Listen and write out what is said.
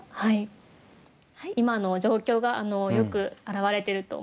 今の状況がよく表れてると思います。